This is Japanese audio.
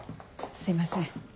すいません。